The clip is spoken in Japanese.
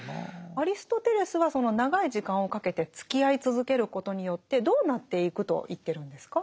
アリストテレスはその長い時間をかけてつきあい続けることによってどうなっていくと言ってるんですか？